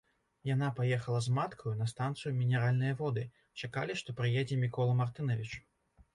Яна паехала з маткаю на станцыю Мінеральныя Воды: чакалі, што прыедзе Мікола Мартынавіч.